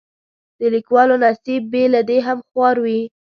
د لیکوالو نصیب بې له دې هم خوار وي.